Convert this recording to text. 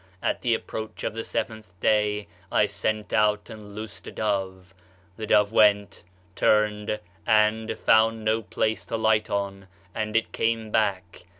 At the approach of the seventh day, I sent out and loosed a dove. The dove went, turned, and found no place to light on, and it came back.